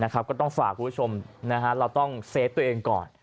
ก็ต้องฝากคุณผู้ชมเราต้องเซฟตัวเองก่อน